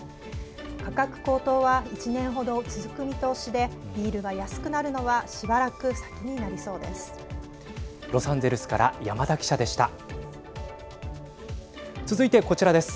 価格高騰は１年程続く見通しでビールが安くなるのはしばらく先になりそうです。